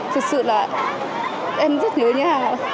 thực sự là em rất nhớ nhà